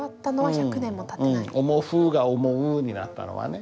「思ふ」が「思う」になったのはね。